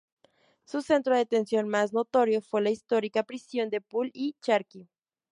Su centro de detención más notorio fue la histórica prisión de "Pul-i-Charkhi".